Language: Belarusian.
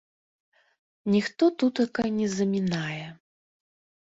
Ніхто тутака не замінае.